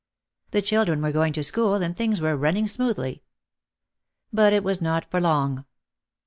The children were going to school and things were running smoothly. But it was not for long.